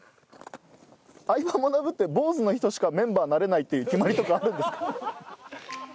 『相葉マナブ』って坊主の人しかメンバーになれないっていう決まりとかあるんですか？